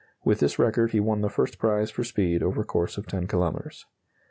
(With this record he won the first prize for speed over course of 10 kilometres.)